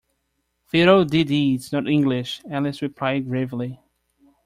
‘Fiddle-de-dee’s not English,’ Alice replied gravely.